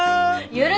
許す！